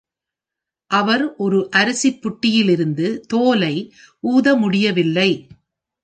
அவர் ஒரு அரிசி புட்டிலிருந்து தோலை ஊத முடியவில்லை.